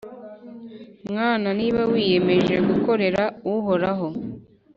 mwana, niba wiyemeje gukorera uhoraho